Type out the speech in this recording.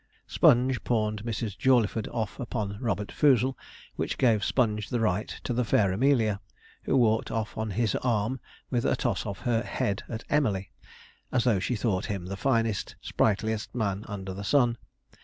Sponge pawned Mrs. Jawleyford off upon Robert Foozle, which gave Sponge the right to the fair Amelia, who walked off on his arm with a toss of her head at Emily, as though she thought him the finest, sprightliest man under the sun.